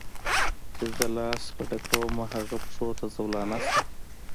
چي زه لاس په ډکومه هغه پښو ته زولانه سي